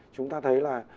chúng ta thấy là